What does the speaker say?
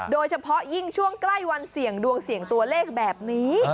โดยเฉพาะยิ่งช่วงใกล้วันเสี่ยงดวงเสี่ยงตัวเลขแบบนี้